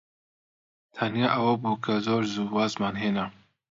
تەنها ئەوە بوو کە زۆر زوو وازمان هێنا.